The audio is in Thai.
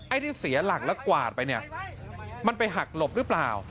ที่เสียหลักแล้วกวาดไปเนี่ยมันไปหักหลบหรือเปล่า